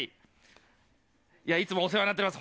いつもお世話になっております。